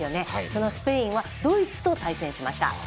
そのスペインはドイツと対戦しました。